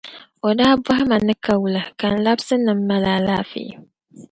O daa bɔhima ni ka wula, ka n labisi ni n mali alaafee.